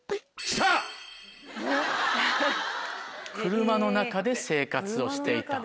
車の中で生活をしていた。